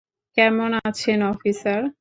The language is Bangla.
কেমন আছেন, অফিসার?